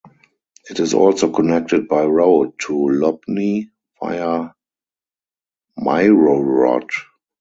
It is also connected by road to Lubny via Myrhorod.